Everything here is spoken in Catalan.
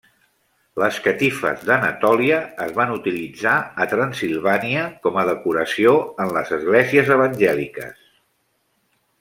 Les catifes d'Anatòlia es van utilitzar a Transsilvània com a decoració en les esglésies evangèliques.